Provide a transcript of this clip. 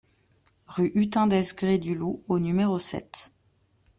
Rue Hutin Desgrees du Lou au numéro sept